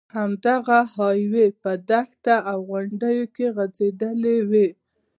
همدغه های وې په دښته او غونډیو کې غځېدلې ده.